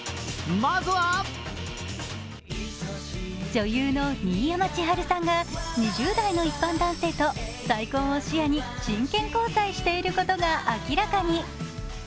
女優の新山千春さんが２０代の一般男性と再婚を視野に真剣交際していることが明らかに。